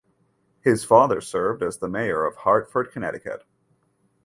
His father served as the mayor of Hartford Connecticut.